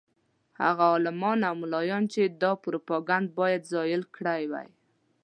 هغه عالمان او ملایان چې دا پروپاګند باید زایل کړی وای.